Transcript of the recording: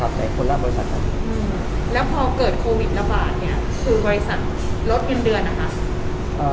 แล้วพอเกิดโควิดระบาดเนี่ยคือบริษัทลดเย็นเดือนนะครับ